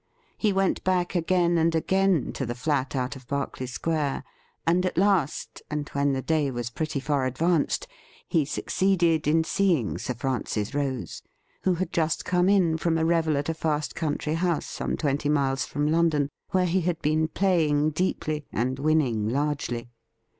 He went back again and again to the flat out of Berkeley Square, and at last, and when the day was pretty far advanced, he succeeded in seeing Sir Francis Rose, who had just come in from a revel at a fast country house some twenty miles from London, where he had been playing deeply and winning largely.